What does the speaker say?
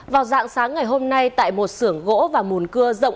vào dạng sáng ngày hôm nay tại một sưởng gỗ và mùn cưa rộng